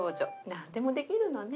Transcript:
なんでもできるのね。